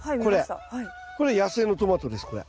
これ野生のトマトですこれ。